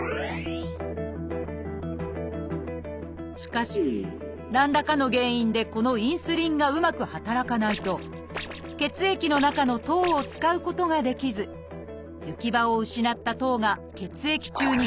しかし何らかの原因でこのインスリンがうまく働かないと血液の中の糖を使うことができず行き場を失った糖が血液中に増え過ぎ